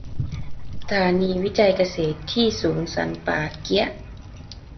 สถานีวิจัยเกษตรที่สูงสันป่าเกี๊ยะ